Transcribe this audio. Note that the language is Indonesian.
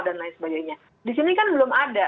dan lain sebagainya di sini kan belum ada